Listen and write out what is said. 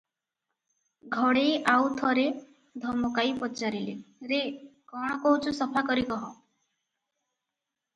ଘଡ଼େଇ ଆଉ ଥରେ ଧମକାଇ ପଚାରିଲେ, "ରେ, କଣ କହୁଛୁ ସଫା କରି କହ ।"